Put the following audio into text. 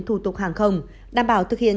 thủ tục hàng không đảm bảo thực hiện